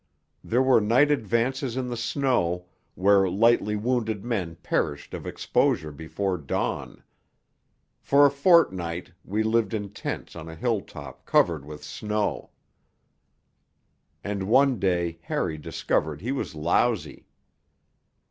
There were night advances in the snow, where lightly wounded men perished of exposure before dawn. For a fortnight we lived in tents on a hill top covered with snow. And one day Harry discovered he was lousy....